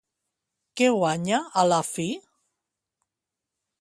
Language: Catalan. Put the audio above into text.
Què guanya a la fi?